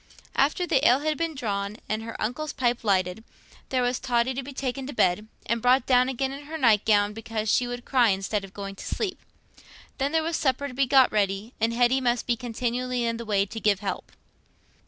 After the ale had been drawn and her uncle's pipe lighted, there was Totty to be taken to bed, and brought down again in her night gown because she would cry instead of going to sleep. Then there was supper to be got ready, and Hetty must be continually in the way to give help.